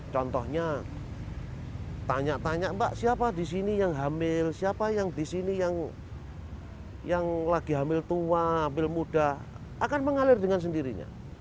contohnya tanya tanya mbak siapa di sini yang hamil siapa yang di sini yang lagi hamil tua hamil muda akan mengalir dengan sendirinya